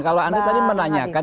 kalau anda tadi menanyakan